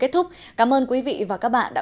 kết thúc cảm ơn quý vị và các bạn đã